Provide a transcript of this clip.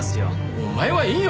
お前はいいよ！